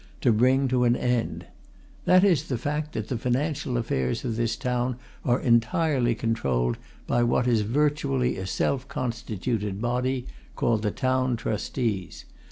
to bring to an end. That is, the fact that the financial affairs of this town are entirely controlled by what is virtually a self constituted body, called the Town Trustees.